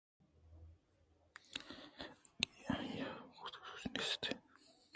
کہ آئی ءِبُوءُسُوجے نیست